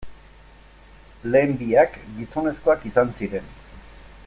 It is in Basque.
Lehen biak, gizonezkoak izan ziren.